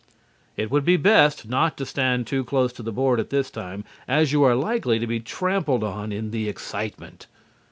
It would be best not to stand too close to the board at this time as you are are likely to be trampled on in the excitement.